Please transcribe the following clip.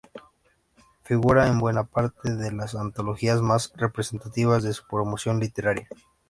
Figura en buena parte de las antologías más representativas de su promoción literaria.